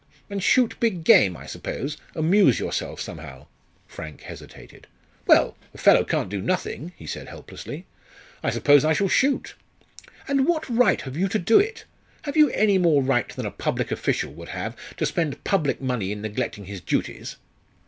"And shoot big game, I suppose amuse yourself somehow?" Frank hesitated. "Well, a fellow can't do nothing," he said helplessly. "I suppose I shall shoot." "And what right have you to do it? Have you any more right than a public official would have to spend public money in neglecting his duties?"